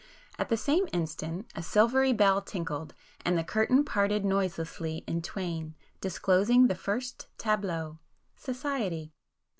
At the same instant a silvery bell tinkled, and the curtain parted noiselessly in twain, disclosing the first tableau—"Society."